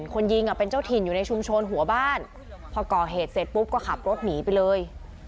คนยิงเป็นเจ้าถิ่นอยู่ในชุมชนหัวบ้านพอก่อเหตุเสร็จปุ๊บก็ขับรถหนีไปเลย